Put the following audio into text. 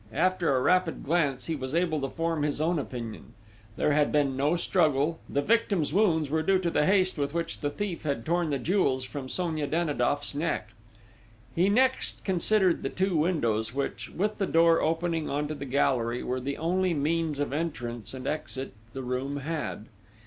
After a rapid glance he was able to form his own opinion. There had been no struggle: the victim's wounds were due to the haste with which the thief had torn the jewels from Sonia Danidoff's neck. He next considered the two windows which, with the door opening on to the gallery, were the only means of entrance and exit the room had.